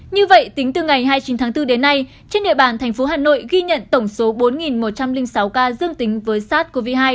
như vậy tính từ ngày hai mươi chín tháng bốn đến nay trên địa bàn thành phố hà nội ghi nhận tổng số bốn một trăm linh sáu ca dương tính với sars cov hai